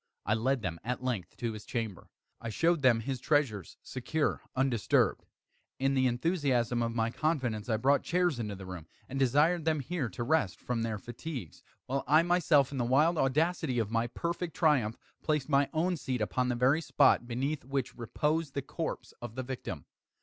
I led them, at length, to his chamber. I showed them his treasures, secure, undisturbed. In the enthusiasm of my confidence, I brought chairs into the room, and desired them here to rest from their fatigues, while I myself, in the wild audacity of my perfect triumph, placed my own seat upon the very spot beneath which reposed the corpse of the victim.